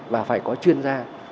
và phải có chuyên gia